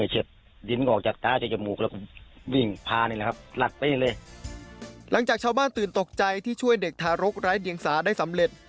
หลังจากชาวบ้านตื่นตกใจที่ช่วยเด็กทารกไร้เดียงสาได้สำเร็จ